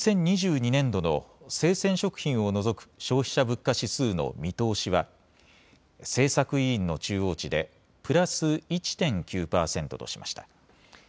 ２０２２年度の生鮮食品を除く消費者物価指数の見通しは政策委員の中央値でプラス１．９％としました。